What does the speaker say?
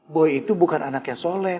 boy itu bukan anaknya soleh